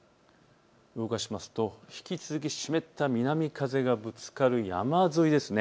動かしますと引き続き湿った南風がぶつかる、山沿いですね。